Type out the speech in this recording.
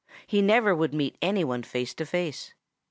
He never would meet any one face to face.